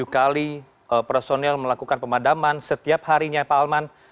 tujuh kali personil melakukan pemadaman setiap harinya pak alman